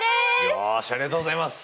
よしありがとうございます。